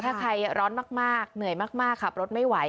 ถ้าใครร้อนมากเหนื่อยมากขับรถไม่ไหว